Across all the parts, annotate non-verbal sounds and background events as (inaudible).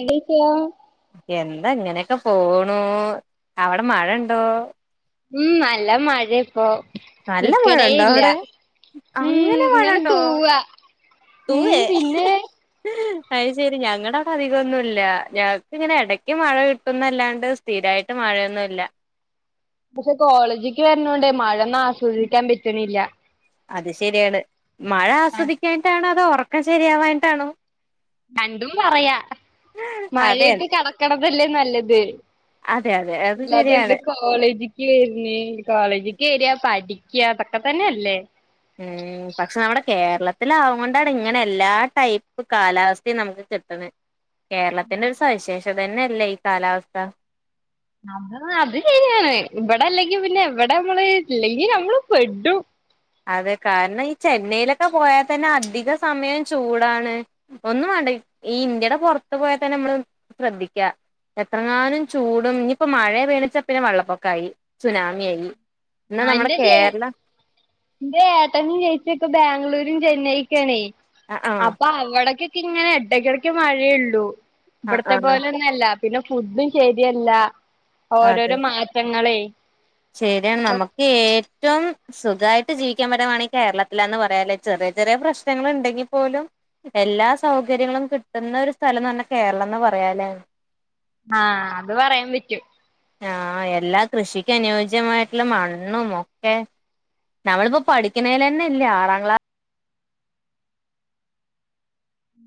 എന്ത്ചെയ്യാ? എന്താ ഇങ്ങനെക്കെ പോണൂ അവടെ മഴണ്ടോ? ഉം നല്ല മഴേ ഇപ്പോ നല്ല മഴ ഉണ്ടോ നിക്കണേയില്ല അവിടെ മ് അങ്ങനെ ഇങ്ങനെ മഴണ്ടോ തൂവ മ് പിന്നെ അയ്ശെരി ഞങ്ങളാടെക്കെ അധികൊന്നുല്ല ഞങ്ങക്ക് ഇങ്ങെനെ ഇടയ്ക്ക് മഴ കിട്ടുന്നല്ലാണ്ട് സ്ഥിരായിട്ട് മഴയൊന്നുല്ല പക്ഷെ കോളേജിക്ക് വെര്ണോണ്ടെ മഴൊന്നും ആസ്വദിക്കാൻ പറ്റ്ണില്ല. അത് ശെരിയാണ് മഴ ആഹ് ആസ്വദിക്കാഞ്ഞിട്ടാണോ? അതോ ഒറക്കം ശരിയാവാഞ്ഞിട്ടാണോ? രണ്ടും പറയാ അതെ മഴയത്ത് കെടക്ക്ണതല്ലേ നല്ലത്. അതെ അതെ അത് ഇല്ല അതെൻ്റെ ശരിയാണ് കോ കോളേജിക്ക് വരിന് കോളേജിക്ക് വരിക പഠിക്കാ ഇതൊക്കെ തന്നെ അല്ലേ ഉം ഉം പക്ഷെ നമ്മുടെ കേരളത്തിലാവോണ്ടാണ് ഇങ്ങനെ എല്ലാ ടൈപ്പ് കാലാവസ്ഥയും നമ്മക്ക് കിട്ടണെ. കേരളത്തിന്റെ ഒരു സവിശേഷത തന്നെയല്ലേ ഈ കാലാവസ്ഥ നമ്മള അത് ശരിയാണ് ഇവിടെ അല്ലെങ്കി പിന്നെ എവിടെ നമ്മള് ഇല്ലെങ്കി നമ്മള് പെടും അതെ, കാരണം ഈ ചെന്നൈയിലൊക്ക പോയത്തന്നെ അധിക സമയം ചൂടാണ് ഒന്നും വേണ്ട ഇ ഈ ഇൻ്റ്യേടെ പൊറത്ത് പോയാത്തന്നെ മ്മള് ശ്രദ്ധിക്കാ എത്രനാനും ചൂടും ഇനിയിപ്പം മഴയെ പേണിച്ചാ പിന്നെ വള്ളപ്പൊക്കായി സുനാമിയായി (unintelligible) ന്റെ ഏട്ടനും ചേച്ചി ഒക്കെ ബാംഗ്ലൂരും ചെന്നൈക്കു ആണേ ആഹ് ആഹ് അപ്പൊ അവിടക്കെ ക്ക് ഇങ്ങനെ എടക്കെടക്ക് മഴേ ഉള്ളൂ. ആഹ് ഇവിടത്തെ ആഹ് പോലെന്നെ എല്ലാം. പിന്നെ ഫുഡും ശരിയല്ല, അതെ ഓരോരോ മാറ്റങ്ങളേ. ശരിയാണ്, നമക്ക് ഏറ്റവും സുഖായ് ഒട്ടും ജീവിക്കാൻ പറ്റമാണ് ഈ കേരളത്തിലന്ന് പറയാല്ലേ ചെറിയ ചെറിയ പ്രശ്നങ്ങള് ഉണ്ടെങ്കിൽ പോലും എല്ലാ സൗകര്യങ്ങളും കിട്ടുന്ന ഒരു സ്ഥലംന്ന് പറഞ്ഞ കേരളംന്ന് പറയാലേ ആഹ് അത് പറയാൻ പറ്റും. ആഹ് എല്ലാ കൃഷിക്ക് അനുയോജ്യമായിട്ടുള്ള മണ്ണും ഒക്കെ നമ്മളിപ്പ പഠിക്കുന്നേല തന്നെല്ലേ ആറാം ക്ലാ ഉം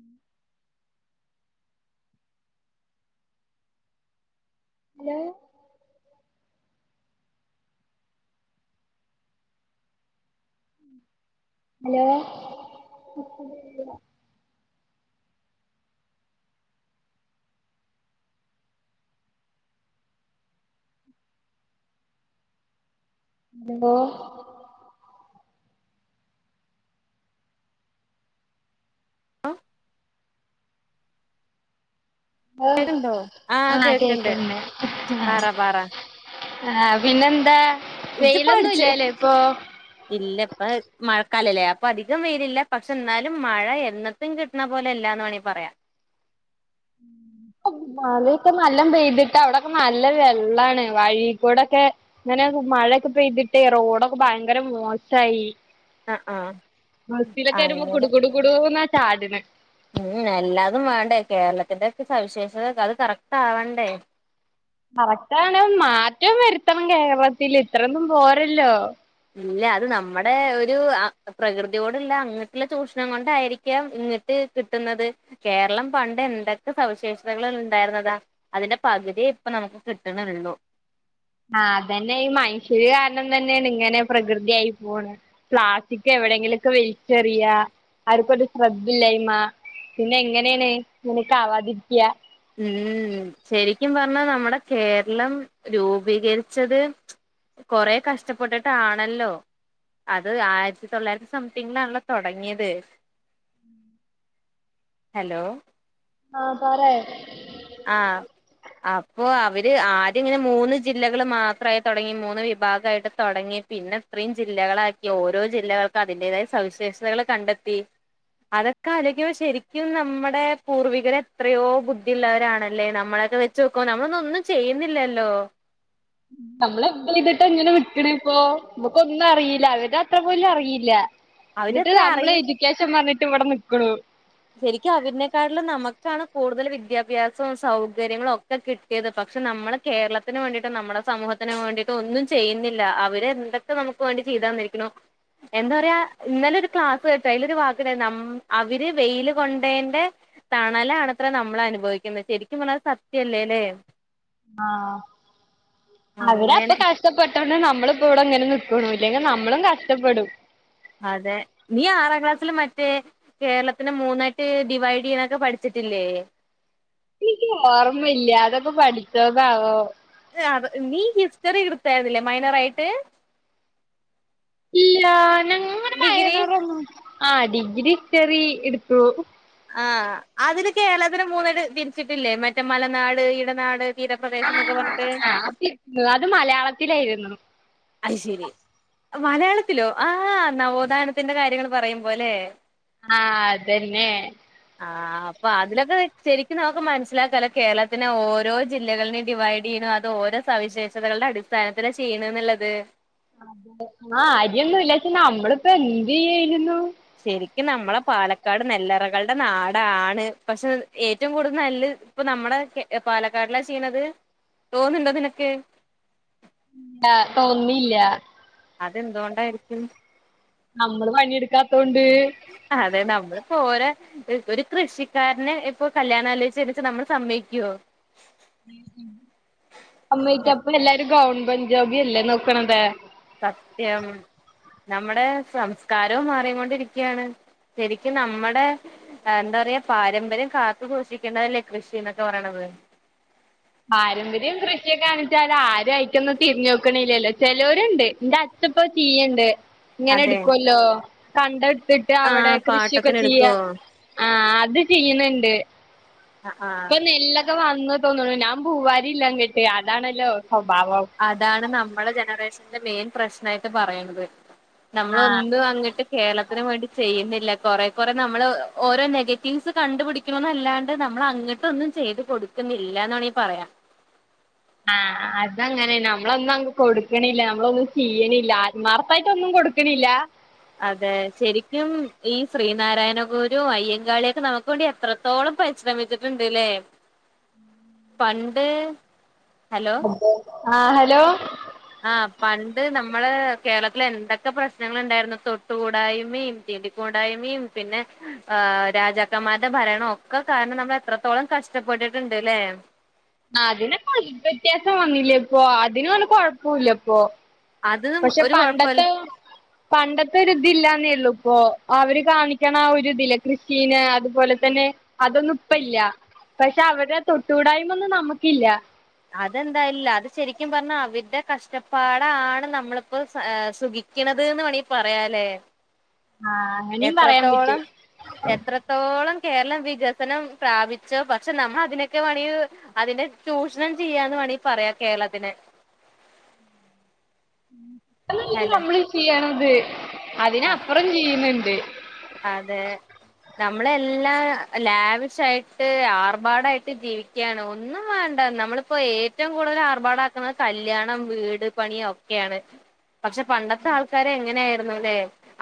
ഹലോ ഹലോ ഹലോ കേക്കണ്ടോ (unintelligible) ആഹ് കേക്കണ്ട് കേക്കണ്‌ണ്ട് പറ പറ (inaudible) ആഹ് പിന്നെന്താ? ഇജ് വെയിലൊന്നും പഠിച്ച് ഇല്ലാലേ ഇപ്പൊ ഇല്ല ഇപ്പ മഴക്കാലല്ലേ അപ്പ അധികം വെയിലില്ല പക്ഷെ എന്നാലും മഴ എന്നത് (unintelligible) കിട്ട്ണ പോലെ അല്ലാന്ന് വേണോങ്കി പറയാം മഴേക്ക നല്ല പെയ്തിട്ട് അവിടൊക്ക നല്ല വെള്ളാണ് വഴീക്കൂടൊക്കെ ഇന്നലേക്ക മഴയൊക്ക പെയ്തിട്ടേ റോഡൊക്കെ ഭയങ്കര മോശായി. ആഹ് ആഹ് ബസ്സിലൊക്കെ വരുമ്പോ കുടു അങ്ങനെ കുടു കുടൂന്നാ ചാട്ണെ. ഉം എല്ലാതും വേണ്ടേ, കേരളത്തിന്റെ ഒക്കെ സവിശേഷതക്കെ അത് കറക്റ്റ് ആവണ്ടേ കറക്റ്റാണ്, മാറ്റം വരുത്തണം കേരളത്തില്, ഇത്രൊന്നും പോരല്ലോ. ഇല്ല അത് നമ്മടെ ഒരു പ്രകൃതിയോടുള്ള അങ്ങിട്ടുള്ള ചൂഷണം കൊണ്ടായിരിക്കാം ഇങ്ങ് ട്ട് കിട്ടുന്നത്. കേരളം പണ്ട് എന്തക്ക സവിശേഷതകള് ഒണ്ടായിരുന്നതാ അതിന്റെ പകുതിയേ ഇപ്പ നമുക്ക് കിട്ടണ്ള്ളൂ. ആഹ് അതന്നെ, ഈ മനുഷ്യര് കാരണം തന്നെയാണ് ഇങ്ങനെ പ്രകൃതിയായി പോണെ. പ്ലാസ്റ്റിക് എവിടെയെങ്കിലൊക്കെ വലിച്ചെറിയാ, ആർക്കൊരു ശ്രദ്ധ ഇല്ലായ്മ പിന്നെ എങ്ങനെയാണ് ഇങ്ങനെക്കെ ആവാതിരിക്കാ ഉം ശരിക്കും പറഞ്ഞാ നമ്മടെ കേരളം രൂപീകരിച്ചത് കൊറേ കഷ്ടപ്പെട്ടിട്ടാണല്ലോ അത് ആയിരത്തി തൊള്ളായിരത്തി സംതിങ്ങിലാണല്ലോ തൊടങ്ങിയത്. ഹലോ ആഹ് പറ ആഹ് അപ്പൊ അവര് ആദ്യം ഇങ്ങനെ മൂന്ന് ജില്ലകള് മാത്രമായി തൊടങ്ങി, മൂന്ന് വിഭാഗായിട്ട് തൊടങ്ങി പിന്നെത്ത്രയും ജില്ലകളാക്കി ഓരോ ജില്ലകൾക്കും അതിന്റേതായ സവിശേഷതകള് കണ്ടെത്തി അതൊക്കെ അലോയിക്കുമ്പ ശരിക്കും നമ്മടെ പൂർവികരെത്രയോ ബുദ്ധിയുള്ളവ ആണല്ലേ നമ്മളെക്കെ വെച്ച് നോക്കുമ്പോ നമ്മളൊന്നും ഒന്നും ചെയ്യുന്നില്ലല്ലോ. നമ്മൾ ചെയ്തിട്ട് എങ്ങനെ വിക്ക്ണ പ്പോ നമ്മുക്കൊന്നും അറിയില്ല അവരുടെ അത്ര പോലും അറിയില്ല ന്നിട്ട് അവരത്ര നമ്മള് അറിയ എഡ്യൂക്കേഷൻ പറഞ്ഞിട്ട് ഇവിടെ നിക്കണൂ ശരിക്കും അവരിനേക്കാട്ടിലും നമുക്കാണ് കൂടുതൽ വിദ്യാഭ്യാസവും സൗകര്യങ്ങളും ഒ കിട്ടിയത് പക്ഷെ നമ്മള് കേരളത്തിന് വേണ്ടിട്ട് നമ്മുടെ സമൂഹത്തിന് വേണ്ടിയിട്ട് ഒന്നും ചെയ്യുന്നില്ല അവര് എന്ത പ്പ നമുക്ക് വേണ്ടി ചെയ്തന്നിരിക്ക്ണു എന്താ പറയാ ഇന്നലെ ഒരു ക്ലാസ് കേട്ട് അയിലൊരു വാക്ക്ണ്ട് (unintelligible) അവര് വെയില് കൊണ്ടേന്റെ തണലാണത്രെ നമ്മളനുഭവിക്കുന്ന ശരിക്കും പറഞ്ഞാ അത് സത്യല്ലേ ആഹ് അവടെ അപ്പൊ അങ്ങനെ കഷ് കഷ്ടപ്പെട്ടോണ്ട് നമ്മളിപ്പോ ഇവിടെ ഇങ്ങനെ നിക്കുണു ല്ലെങ്കി നമ്മളും കഷ്ടപ്പെടും അതെ നീ ആറാം ക്ലാസ്സില് മറ്റേ കേരളത്തിനെ മൂന്നായിട്ട് ഡിവൈഡെയ്യാനൊക്കെ പഠിച്ചിട്ടില്ലേ? നിക്ക് ഓർമ്മ ഇല്ല അതൊക്കെ പഠിച്ചതാവോ നീ ഹിസ്റ്ററി എടുത്തായിരുന്നല്ലേ മൈനർ ആയിട്ട് ഇല്ല ഞങ്ങ ഡിഗ്രി (unintelligible) ആ ഡിഗ്രി ഹിസ്റ്ററി എടുത്തു ആ അതില് കേരളത്തിനെ മൂന്നായിട്ട് തിരിച്ചിട്ടില്ലേ മറ്റേ മലനാട് ഇടനാട് തീരപ്രദേശം എന്നൊക്കെ പറഞ്ഞിട്ട് ആഹ് അത് അത് മലയാളത്തിലായിരുന്നു അയ്ശരി മലയാളത്തിലോ ആഹ് നവോത്ഥാനത്തിന്റെ കാര്യങ്ങൾ പറയുമ്പോലെ ആ അതെന്നെ ആ അപ്പൊ അതിലൊക്കെ ശരിക്കും നമുക്ക് മനസ്സിലാക്കല്ലോ കേരളത്തിലെ ഓരോ ജില്ലകളും ഡിവൈഡ് വീണ തോ ഓരോ സവിശേഷതകളുടെ അടിസ്ഥാനത്തിൽ ചെയ്യണെന്ന്ള്ളത് ആ അര്യൊന്നും ഇല്ലാച്ചാ നമ്മളിപ്പോ എന്ത്യ്യായിരുന്നു ശരിക്കും നമ്മളെ പാലക്കാട് നെല്ലറകളുടെ നാടാണ് പക്ഷെ ഏറ്റവും കൂടുതൽ നെല്ലെ ഇപ്പൊ നമ്മടെ പാലക്കാടിലാ ചെയ്യണത് തോന്ന്ണ്ടതിനൊക്കെ ല്ല തോന്നിണില്ല അതെന്തോണ്ടായിരിക്കും നമ്മള് പണിടുക്കാത്തൊണ്ട് അതെ നമ്മള് പോര പ്പൊരു കൃഷിക്കാരനെ ഇപ്പൊ കല്യാണാലോചിച്ച്ന്ന്ച്ചാ നമ്മൾ സമ്മയിക്കോ സമ്മയ്ക്കോ പ്പല്ലാരും ഗവൺമെന്റ് ജോബല്ലേ നോക്ക്ണത്? സത്യം നമ്മടെ സംസ്കാരവും മാറി കൊണ്ടിരിക്കാണ് ശരിക്കും നമ്മുടെ എന്താ പറയാ പാരമ്പര്യം കാത്തുസൂഷിക്കേണ്ടതല്ലേ കൃഷിന്നൊക്കെ പറയണത് പാരമ്പര്യം കൃഷിയെകാണിച്ചാൽ ആരും അയിക്കൊന്നും തിരിഞ്ഞോക്കണില്ലല്ലോ ചലോരുണ്ട് ന്റെ അച് ത് പ്പൊ ചെയ്യ്ണ്ട് അതെ ഇങ്ങനെടുക്കുവല്ലോ കണ്ടെടുത്തിട്ട് ആ അവിടെ കൃഷിയൊക്കെ പാട്ടത്തിന് ചെയ്യ എടുക്കുവോ ആ അത് ചെയ്യ്ന്ന്ണ്ട് അ ആഹ് പ്പൊ നെല്ലൊക്കെ വന്ന് തോന്ന്ണു ഞാൻ പൂവാരില്ല ങ്ങട്ട് അതാണല്ലോ സ്വഭാവം അതാണ് നമ്മളെ ജനറേഷന്റെ മെയിൻ പ്രശ്നായിട്ട് പറയണത് നമ്മള് ആ ഒന്നും അങ്ങട്ട് കേരളത്തിന് വേണ്ടി ചെയ്യുന്നില്ല കൊറെ കുറെ നമ്മള് ഓരോ നെഗറ്റീവ്സ് കണ്ടുപിടി ക്കുന്നല്ലാണ്ട് നമ്മൾ അങ്ങട്ടൊന്നും ചെയ്ത് കൊടുക്കുന്നില്ലന്ന് വേണെങ്കിൽ പറയാം ആഹ് അതങ്ങനെന്നെ നമ്മളൊന്നും അങ്ങ് കൊടുക്ക്ണില്ല നമ്മളൊന്നും ചെയ്യണില്ല ആത്മാർത്ഥായിട്ട് ഒന്നും കൊടു (unintelligible) അതെ ശരിക്കും ഈ ശ്രീനാരായണഗുരു അയ്യങ്കാളിയൊക്കെ നമുക്ക് വേണ്ടി എത്ര ത്തോളം പരിശ്രമിച്ചിട്ട്ണ്ട്ലേ പണ്ട് ഹലോ ആ ഹലോ ആഹ് പണ്ട് നമ്മൾ കേരളത്തിൽ എന്തൊക്കെ പ്രശ്നങ്ങളുണ്ടായിരുന്നു തൊട്ടുകൂടായ്മയും തീണ്ടി കൂടായ്മയും പിന്നെ ആ രാജാക്കന്മാരുടെ ഭരണൊക്കെ കാരണം നമ്മൾ എത്ര ത്തോളം കഷ്ടപ്പെട്ടിട്ട്ണ്ട് ലെ? അതിനൊക്ക വ്യത്യാസം വന്നില്ല്യേപ്പൊ അതിന് ഒന്നും കൊഴപ്പൊല്ല്യപ്പൊ. അത് പക്ഷെ ഒരു കൊഴപ്പല്ല പണ്ടത്തെഹ് പണ്ടത്തെ ര് ത് ല്ലാന്നേള്ളു പ്പൊ. അവര് കാണിക്കണ ആ ഒരു ഇതില്ലെ കൃഷീലെ അതുപോലെ തന്നെ അതൊന്നും ഇപ്പല്ല പക്ഷെ അവരെ തൊട്ടൂടായ്മ ഒന്നും നമുക്കില്ല. അതെന്തായില്ല അത് ശെരിക്കും പർണാ അവര്ടെ കഷ്ടപ്പാടാണ് നമ്മളിപ്പെ സുഖി ക്ണത് വേണെ പറയാലെ? ആഹ് അങ്ങനിം പറയാ വിറ്റ് എത്രത്തോളം കേരളം വികസനം പ്രാപിച്ചോ പക്ഷെ നമ്മ അതിനൊക്കെ വേണങ്കിൽ അതിന്റെ ചൂഷ്ണം ചെയ്യാന്ന് വേണി പറയാ കേരളത്തിനെ (unintelligible) ഹലോ നമ്മളീ ചെയ്യണത് ആ അതിനപ്പുറം ചെയ്യ്ന്ന്ണ്ട് അതെ നമ്മളെല്ലാ ലാവിഷായിട്ട് ആർഭാടായിട്ട് ജീവി ക്യാണ്. ഒന്നും വേണ്ട നമ്മള്പ്പോ ഏറ്റും കൂടുതൽ ആർഭാടാക്കുന്നെ കല്യാണം വീട് പണിയോ ക്കി ആണ് പക്ഷെ പണ്ടത്തെ ആൾക്കാരെ എങ്ങനെയിരുന്നു ലെ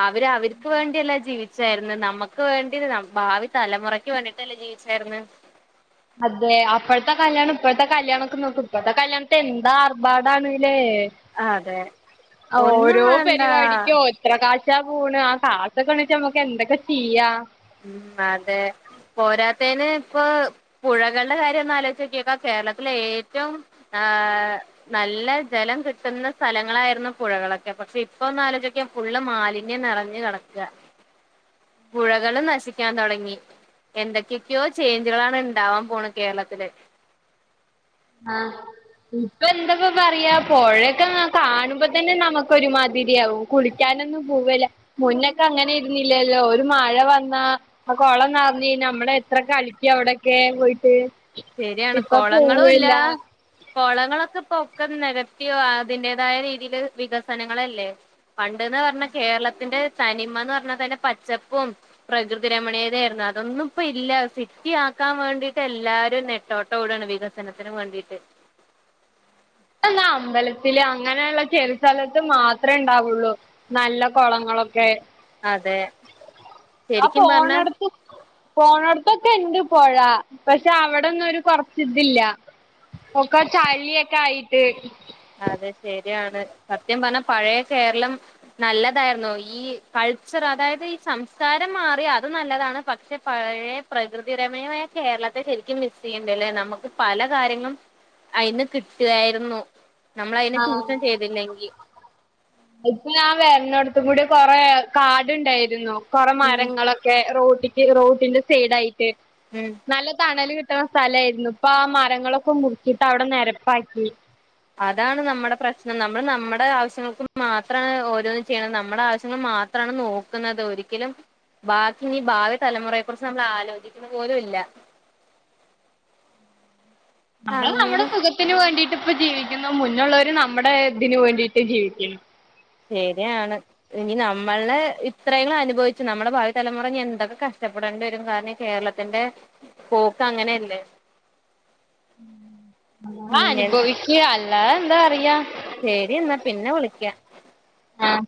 അവര് അവര്ക്ക് വേണ്ടി അല്ല ജീവി ച്ചാര്ന്ന്. നമക്ക് വേണ്ടി, ഭാവി തലമുറയ്ക്ക് വേണ്ടിട്ടല്ലേ ജീവിച്ചാര്ന്ന്.? അതെ.. അപ്പഴ്ത്തെ കല്യാണം ഇപ്പഴ്ത്തെ കല്യാണക്കെ നോക്ക് ഇപ്പ ഴത്തെ കല്ല്യാണത്തിന് എന്താഭാടാണ് ലേ? അതെ അ ഒന്നും ഓരോ വേണ്ട പരിപാടിക്കും ഓ എത്രെ കാശാ പോണ് ആ കാശൊക്കെ ണ്ട്ച്ച ഞമ്മക്ക് എന്തൊക്കെ ചെയ്യാ ഉം അതെ പോരാത്തേന് പ്പൊ പുഴകൾടെ കാര്യോന്ന ആലോചോക്യെ ക്കാ കേര്ളത്തിലെ ഏറ്റവും ആഹ് നല്ല ജലം കിട്ടുന്ന സ്ഥലങ്ങളായിരുന്നു പുഴകളൊക്കെ, പക്ഷെ ഇപ്പൊന്ന്ലോചോക്കെ ഫുള്ള് മാലിന്യം നെറഞ്ഞ് കെടക്ക പുഴ കള് നശിക്ക്യ തോടങ്ങി എന്തൊക്കെയ്ക്യോ ചേഞ്ചുകളാണ് ണ്ടാവാ പോണെ കേരളത്തില് ആഹ് ഇപ്പൊ എന്തപ്പൊ പറയാ പൊഴയൊക്കെ കാണുമ്പോ തന്നെ നമുക്കൊരുമാതിരിയാവും. കുളിക്കാനൊന്നും പോവല്ല മുന്നൊക്കെ അങ്ങനെ ആരുന്നില്ലല്ലോ ഒരു മഴ വന്നാ ആ കൊളന്നർഞ്ഞ് ഞമ്മള് എത്ര കളിക്കി അവിടെക്കെ പോയിട്ട് ശരിയാണ് ഇപ്പൊ കൊളങ്ങളും പോവല്ല ഇല്ലാ കോളങ്ങളൊക്കെ പൊ ഒക്കെ നെരത്തിയോ അതിന്റെതായ രീതിയില് വികസനങ്ങളല്ലേ. പണ്ട്ന്ന്പർഞ്ഞാ കേരളത്തിന്റെ തനിമ ന്ന് പർഞ്ഞാതന്നെ പച്ചപ്പും പ്രകൃതി രമണീയതയായിരുന്നു. അതൊന്നും ഇപ്പ ഇല്ല. സിറ്റി ആക്കാവേണ്ടിട്ട് എല്ലാ ഷ്യൻ നെട്ടോട്ടോടാണ് വികസനത്തിന് വേണ്ടീട്ട്. (unintelligible) അമ്പലത്തില് അങ്ങനെള്ള ചെലെ സ്ഥലത്ത് മാത്രേ ണ്ടാവുള്ളു. നല്ല കൊളങ്ങളൊക്കെ അതെ ആ ശരിക്കും പറഞ്ഞാൽ പോണട്ത്ത് പോണോട്ത്തൊക്കെ ണ്ട് പൊഴ പഷെ അവിടൊന്നു ഒരു കൊർച്ച് ത് ല്ല. ഒക്ക ചളിയക്ക ആയിട്ട് അതെ. ശെര്യാണ്. സത്യം പർഞ്ഞ പഴയ കേര്ളം നല്ലതായിര്ന്നു ഈ കൾച്ചർ അതായത് ഈ സംസ്‌കാരം മാറി അതും നല്ലതാണ് പക്ഷെ പഴയെ പ്രകൃതിരമണീയമായ കേരളത്തെ ശെരിക്കും മിസ്യ്യ്ണ്ട്‌ ലെ നമുക്ക് പല കാര്യങ്ങളും അതിന് കിട്ട്വായിര്ന്നു. നമ്മൾ അയിനെ ചൂഷണം ആഹ് ചെയ്തില്ലെങ്കി ഇപ്പൊ ഞാൻ വെര്ന്നോട്ത്തു കൂടി കൊറെ കാട്ണ്ടായിരുന്നു. കൊറെ ഉം മരങ്ങളൊ ക്കെ റോട്ടിക്ക് റോട്ടിന്റെ സൈഡ ആയിട്ട് മ്ഹ് നല്ല തണല് കിട്ട്ണ സ്ഥലയിരുന്നു. പ്പാ മരങ്ങളൊക്കെ മുറിച്ചിട്ട് അവടെ നെരപ്പാക്കി അതാണ് നമ്മടെ പ്രശ്നം നമ്മള് നമ്മടെ ആവശ്യങ്ങൾക്ക് മാത്രാണ് ഓരോന്നു ചെയ്യുണത്. നമ്മടെ ആവശ്യങ്ങൾ മാത്ര ത്രാണ് നോക്ക്ന്നത് ഒരിക്കലും ബാക്കി നീ ഭാവി തലമുറയെ കുറിച്ച് നമ്മള് ആലോചിക്കുന്ന പോലും ഇല്ല. നമ്മള് നമ്മുടെ അങ്ങനെ സുഖത്തിന് വേണ്ടിട്ട് പ്പ ജീവിക്കുന്നു. മുന്നുള്ളവര് നമ്മുടെ ഇതിന് വേണ്ടിയിട്ട് ജീവിക്കുന്നു. ശെര്യാണ്- ഇനി നമ്മള് ഇത്രയെങ്കിലും അനുഭവിച്ചു. നമ്മുടെ ഭാവി തലമുറ എന്തൊക്കെ കഷ്ടപ്പെടണ്ടി വരും കാരണം ഈ കേരള (unintelligible) ന്റെ പോക്കങ്ങനെയല്ലെ. (unintelligible) ഉം അനുഭവിക്ക അല്ലാതെന്താ പറയ. ശരിന്ന പിന്നെ വിളിക്ക ആഹ്